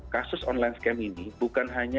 kasus online scam ini bukan hanya